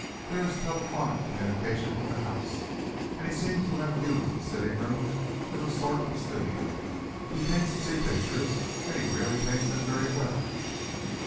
There is telephonic communication with the house, and he seems to have used the sitting room as a sort of studio. He paints sea pictures and really paints them very well."